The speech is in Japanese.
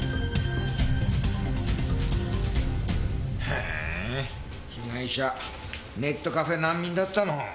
へぇ被害者ネットカフェ難民だったの。